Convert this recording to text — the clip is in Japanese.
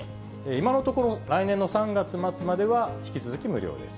今のところ、来年の３月末までは引き続き無料です。